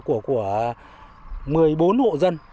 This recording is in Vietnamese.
là của một mươi bốn hộ dân